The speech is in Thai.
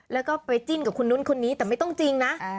แล้วก็ไปจิ้นกับคนนู้นคนนี้แต่ไม่ต้องจริงนะ